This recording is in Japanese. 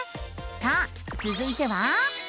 さあつづいては。